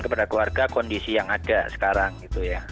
kepada keluarga kondisi yang ada sekarang gitu ya